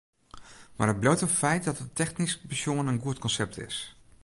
Mar it bliuwt in feit dat it technysk besjoen in goed konsept is.